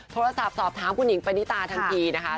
โทรศัพท์สอบถามคุณหญิงปณิตาทันทีนะคะ